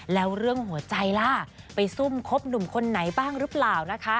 แล้วเรื่องหัวใจล่ะไปซุ่มคบหนุ่มคนไหนบ้างหรือเปล่านะคะ